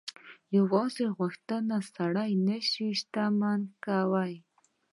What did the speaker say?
خو يوازې غوښتنه سړی نه شي شتمن کولای.